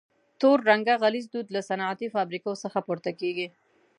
تور رنګه غلیظ دود له صنعتي فابریکو څخه پورته کیږي.